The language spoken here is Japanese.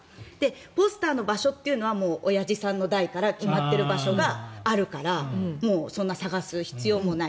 ポスターの場所というのは親父さんの代から決まっている場所があるからもうそんな探す必要もない。